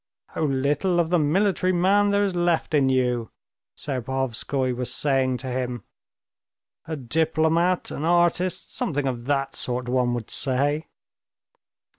"How little of the military man there is left in you!" Serpuhovskoy was saying to him. "A diplomat, an artist, something of that sort, one would say."